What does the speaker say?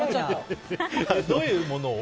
どういうものを？